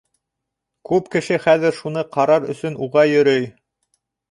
Күп кеше хәҙер шуны ҡарар өсөн уға йөрөй.